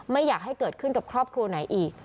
ไม่อยากให้เกิดขึ้นกับครอบครัวไหนอีก